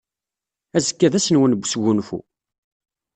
Azekka d ass-nwen n wesgunfu.